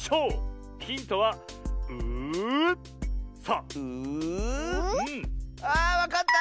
あわかった！